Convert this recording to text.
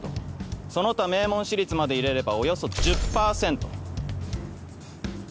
その他名門私立まで入れればおよそ１０％。